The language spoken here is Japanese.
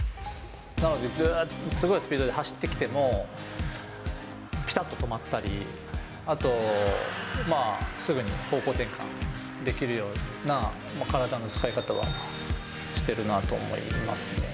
なのですごいスピードで走ってきても、ぴたっと止まったり、あと、すぐに方向転換できるような体の使い方はしてるなと思いますね。